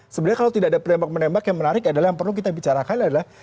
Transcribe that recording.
sebenarnya kalau tidak ada penembak menembak yang menarik adalah yang perlu kita bicarakan adalah